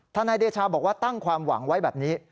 นายเดชาบอกว่าตั้งความหวังไว้แบบนี้